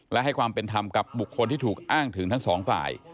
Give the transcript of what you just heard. และให้ความเป็นธรรมกับบุคคลที่ถูกอ้างถึงทั้งสองฝ่าย